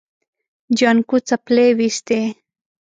جانکو څپلۍ وېستې.